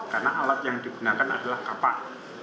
karena alat yang digunakan adalah kapak